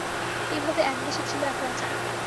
এইভাবে-এক দেশে ছিল এক রাজা।